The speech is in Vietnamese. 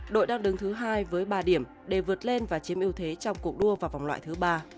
đội đang đứng thứ hai với ba điểm để vượt lên và chiếm ưu thế trong cuộc đua vào vòng loại thứ ba